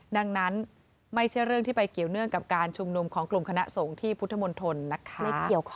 ดังนั้นไม่ใช่เรื่องที่ไปเกี่ยวเนื่องกับการชุมนุมของกลุ่มคณะสงฆ์ที่พุทธมนตรนะคะ